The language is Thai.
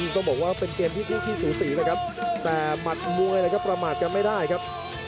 ต้องบอกว่าเป็นเกมที่คู่ขี้สูสีนะครับแต่หมัดมวยนะครับประมาทกันไม่ได้ครับ